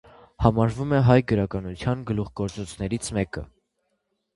Համարվում է հայ գրականության գլուխգործոցներից մեկը։